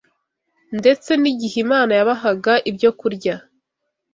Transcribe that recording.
Ndetse n’igihe Imana yabahaga ibyokurya